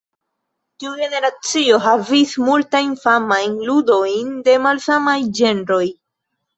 Tiu generacio havis multajn famajn ludojn de malsamaj ĝenroj.